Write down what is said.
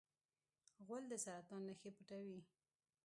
غول د سرطان نښې پټوي.